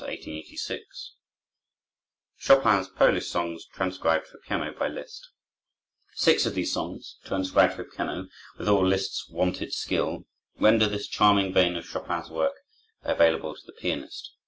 LISZT 1811 1886 Chopin's Polish Songs, Transcribed for Piano by Liszt Six of these songs, transcribed for piano, with all Liszt's wonted skill, render this charming vein of Chopin's work available to the pianist.